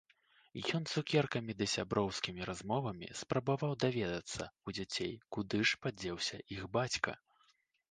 Ён цукеркамі ды сяброўскімі размовамі спрабаваў даведацца ў дзяцей, куды ж падзеўся іх бацька.